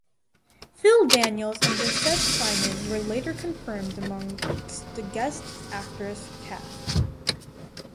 Phil Daniels and Josette Simon were later confirmed amongst the guest actors cast.